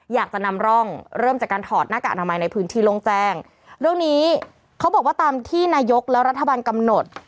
อยากจะนำร่องเริ่มจากการถอดหน้ากากอนามัยในพื้นที่โล่งแจ้งเรื่องนี้เขาบอกว่าตามที่นายกและรัฐบาลกำหนด